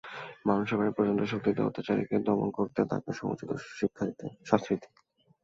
মানুষও পারে প্রচণ্ড শক্তিতে অত্যাচারীকে দমন করতে, তাকে সমুচিত শাস্তি দিতে।